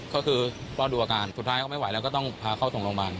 ก็คือรอดูอาการสุดท้ายเขาไม่ไหวแล้วก็ต้องพาเขาส่งโรงพยาบาล